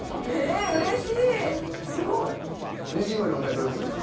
すごい！錦鯉のお２人どうですか？